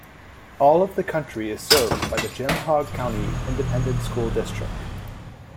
All of the county is served by the Jim Hogg County Independent School District.